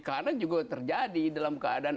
karena juga terjadi dalam keadaan